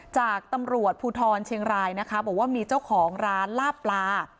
จากตำรวจภูทรเชียงรายนะคะบอกว่ามีเจ้าของร้านลาบปลา